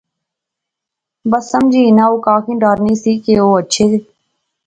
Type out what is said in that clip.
بس سمجھی ہنا او کاغیں ڈرانی سی کہ او اچھے